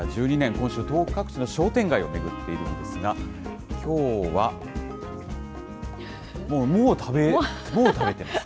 今週、東北各地の商店街を巡っているんですが、きょうは、もう食べてます。